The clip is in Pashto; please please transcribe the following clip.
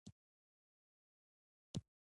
دا د ماموریت په دریمه میاشت کې یې ولیکل.